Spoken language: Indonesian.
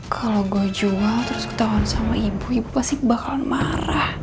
kalau gue jual terus ketahuan sama ibu ibu pasti bakal marah